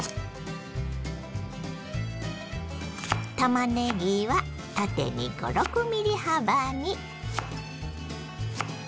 たまねぎは縦に５６ｍｍ幅に。